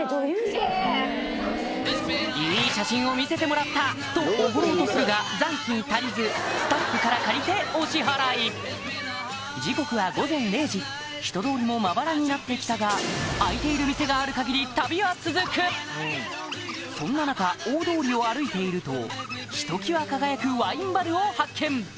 「いい写真を見せてもらった！」とおごろうとするが残金足りずスタッフから借りてお支払い時刻は午前０時人通りもまばらになってきたがそんな中大通りを歩いているとひときわ輝くワインバルを発見